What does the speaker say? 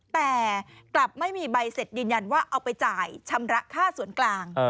แต่กลับไม่มีใบเสร็จยืนยันว่าเอาไปจ่ายชำระค่าส่วนกลาง